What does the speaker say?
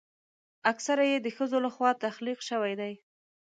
اکثره یې د ښځو لخوا تخلیق شوي دي.